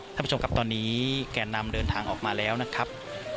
ท่านผู้ชมครับตอนนี้แก่นำเดินทางออกมาแล้วนะครับ